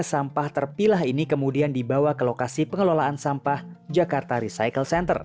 sampah terpilah ini kemudian dibawa ke lokasi pengelolaan sampah jakarta recycle center